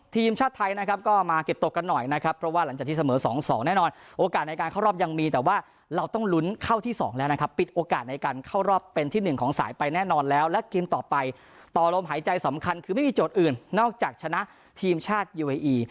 ทีมชาติไทยนะครับก็มาเก็บตกกันหน่อยนะครับเพราะว่าหลังจากที่เสมอ๒๒แน่นอนโอกาสในการเข้ารอบยังมีแต่ว่าเราต้องลุ้นเข้าที่๒แล้วนะครับปิดโอกาสในการเข้ารอบเป็นที่หนึ่งของสายไปแน่นอนแล้วและกินต่อไปต่อลมหายใจสำคัญคือไม่มีโจทย์อื่นนอกจากชนะทีมชาติยูเออี